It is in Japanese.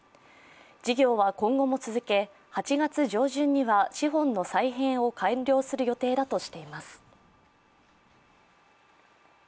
事業は今後も続け８月上旬には資本の再編を完了する予定だとしています。